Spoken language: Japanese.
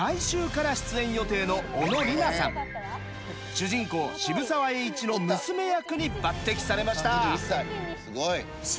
主人公渋沢栄一の娘役に抜てきされました。